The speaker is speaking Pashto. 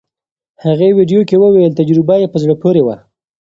هغې ویډیو کې وویل تجربه یې په زړه پورې وه.